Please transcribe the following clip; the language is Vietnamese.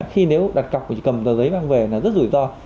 khi nếu đặt cọc thì cầm tờ giấy vang về là rất rủi ro